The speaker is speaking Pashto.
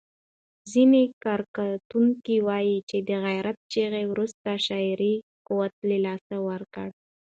ځینې کره کتونکي وايي چې د غیرت چغې وروسته شاعري قوت له لاسه ورکړ.